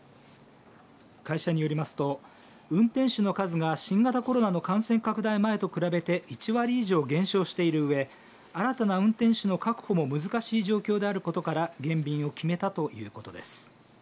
会社によりますと、運転手の数が新型コロナの感染拡大前と比べて１割以上減少しているうえ新たな運転手の確保も難しい状況であることから減便を決めたということです。